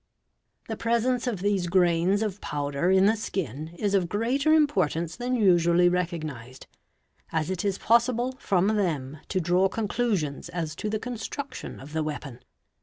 The presence of these grains of powder in the skin is of . g eater importance than usually recognized, as it is possible from them to & raw conclusions as to the construction of the weapon.